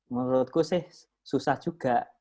menurutku sih susah juga